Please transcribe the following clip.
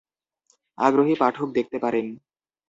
আগ্রহী পাঠক দেখতে পারেন।